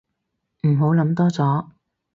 你唔好諗多咗